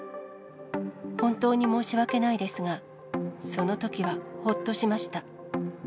本当に申し訳ないですが、そのときはほっとしました。